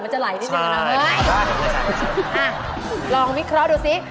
มันจะไหลได้จริงนะเว้ยอ้าวลองวิเคราะห์ดูสิ